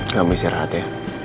kamu istirahat ya